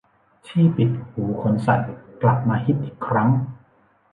ที่ปิดหูขนสัตว์กลับมาฮิตอีกครั้ง